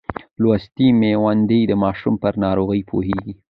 لوستې میندې د ماشوم پر ناروغۍ پوهېږي.